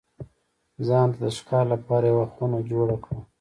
ځان ته د ښکار لپاره یوه خونه جوړه کړه.